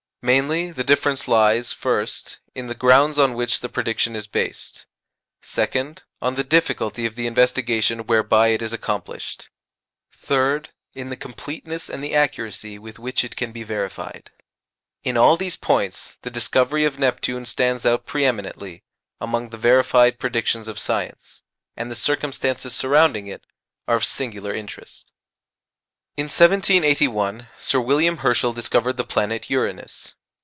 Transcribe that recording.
Mainly, the difference lies, first, in the grounds on which the prediction is based; second, on the difficulty of the investigation whereby it is accomplished; third, in the completeness and the accuracy with which it can be verified. In all these points, the discovery of Neptune stands out pre eminently among the verified predictions of science, and the circumstances surrounding it are of singular interest. In 1781, Sir William Herschel discovered the planet Uranus.